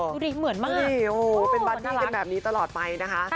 ดูดิเหมือนมากเป็นบัดดี้กันแบบนี้ตลอดไปนะคะ